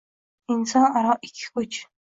Inson aro ikki kuch.